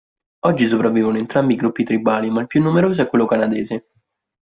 Oggi sopravvivono entrambi i gruppi tribali, ma il più numeroso è quello canadese..